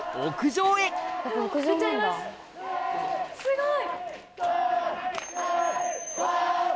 すごい！